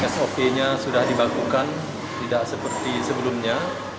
sop nya sudah dibakukan tidak seperti sebelumnya